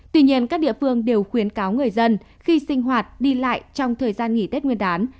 tuy nhiên các địa phương đều khuyến cáo người dân khi sinh hoạt đi lại trong thời gian nghỉ tết nguyên đán